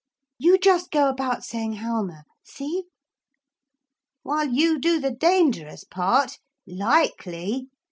... You just go about saying "Halma!" see?' 'While you do the dangerous part? Likely!'